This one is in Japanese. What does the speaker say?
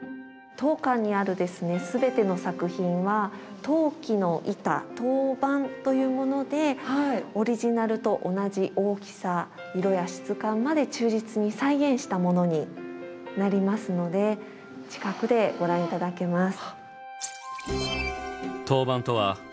当館にある全ての作品は陶器の板陶板というものでオリジナルと同じ大きさ色や質感まで忠実に再現したものになりますので近くでご覧頂けます。